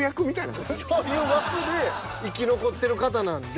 そういう枠で生き残ってる方なんで。